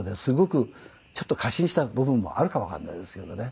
ちょっと過信した部分もあるかもわからないですけどね。